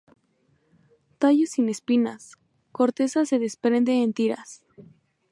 Tallos sin espinas, corteza se desprende en tiras.